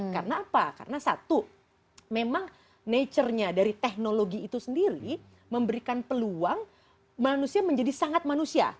karena apa karena satu memang nature nya dari teknologi itu sendiri memberikan peluang manusia menjadi sangat manusia